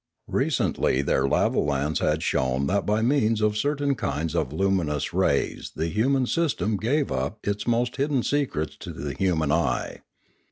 Re cently their lavolans had shown that by means of cer tain kinds of luminous rays the human system gave up its most hidden secrets to the human eye.